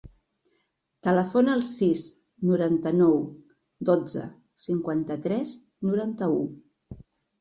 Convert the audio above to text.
Telefona al sis, noranta-nou, dotze, cinquanta-tres, noranta-u.